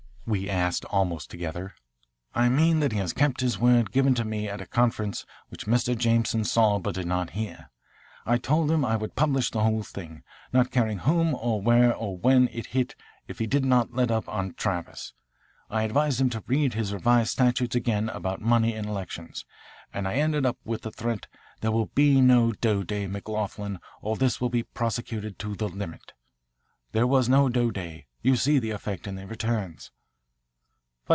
we asked almost together. "I mean that he has kept his word given to me at a conference which Mr. Jameson saw but did not hear. I told him I would publish the whole thing, not caring whom or where or when it hit if he did not let up on Travis. I advised him to read his Revised Statutes again about money in elections, and I ended up with the threat, 'There will be no dough day, McLoughlin, or this will be prosecuted to the limit.' There was no dough day. You see the effect in the returns."